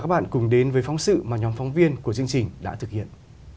các bạn cùng đến với phóng sự mà nhóm phóng viên của chương trình đã thực hiện